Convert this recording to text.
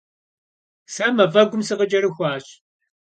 Se maf'egum sıkhıç'erıxuaş.